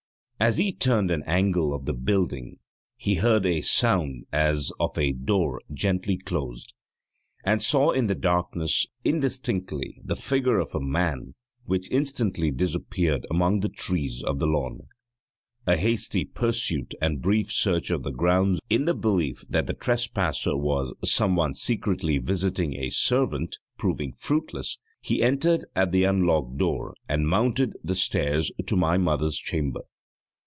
As he turned an angle of the building, he heard a sound as of a door gently closed, and saw in the darkness, indistinctly, the figure of a man, which instantly disappeared among the trees of the lawn. A hasty pursuit and brief search of the grounds in the belief that the trespasser was some one secretly visiting a servant proving fruitless, he entered at the unlocked door and mounted the stairs to my mother's chamber.